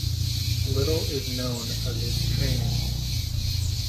Little is known of his training.